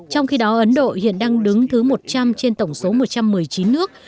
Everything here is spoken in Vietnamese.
trong khi đó ấn độ hiện đang đứng thứ một trăm linh trên tổng số một trăm một mươi chín nước